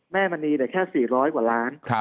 แม่มันนี่แค่๔๐๐กว่าล้านครับ